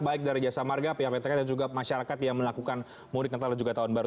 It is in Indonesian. baik dari jasa marga pihak ptk dan juga masyarakat yang melakukan mudik natal dan juga tahun baru